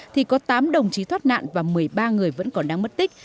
thì có tám đồng chí thoát nạn và một mươi ba người vẫn còn đang mất tích